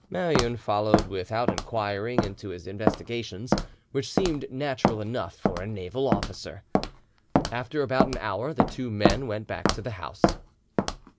Marouin followed without inquiring into his investigations, which seemed natural enough for a naval officer. After about an hour the two men went back to the house.